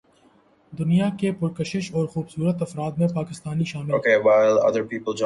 دنیا کے پرکشش اور خوبصورت افراد میں پاکستانی شامل